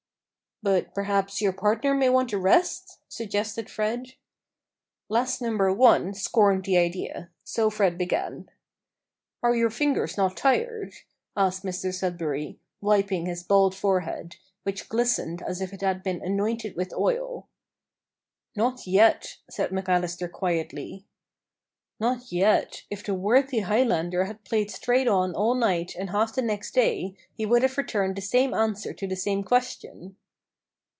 "But perhaps your partner may want a rest?" suggested Fred. Lass Number 1 scorned the idea: so Fred began. "Are your fingers not tired?" asked Mr Sudberry, wiping his bald forehead, which glistened as if it had been anointed with oil. "Not yet," said McAllister quietly. Not yet! If the worthy Highlander had played straight on all night and half the next day, he would have returned the same answer to the same question.